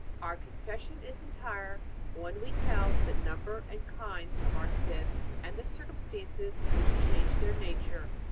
Our Confession is entire, when we tell the number and kinds of our sins and the circumstances which change their nature.